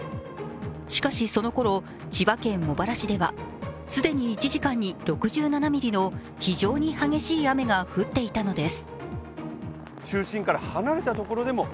しかし、そのころ千葉県茂原市では既に１時間に６７ミリの非常に激しい雨が降っていたのです。